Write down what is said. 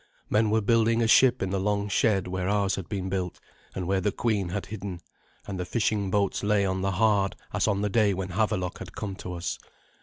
Men were building a ship in the long shed where ours had been built, and where the queen had hidden; and the fishing boats lay on the hard as on the day when Havelok had come to us.